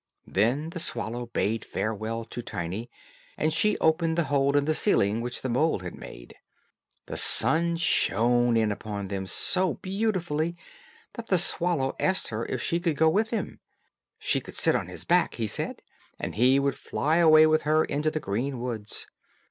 Then the swallow bade farewell to Tiny, and she opened the hole in the ceiling which the mole had made. The sun shone in upon them so beautifully, that the swallow asked her if she would go with him; she could sit on his back, he said, and he would fly away with her into the green woods.